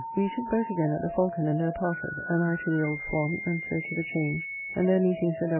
We took boat again at the Falcon, and there parted, and I to the old Swan, and so to the Change, and there meeting Sir W.